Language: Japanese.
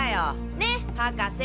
ねっ博士！